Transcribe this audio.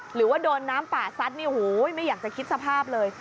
หรือว่าโดนน้ำป่าซัดเนี่ยโหไม่อยากจะคิดสภาพเลย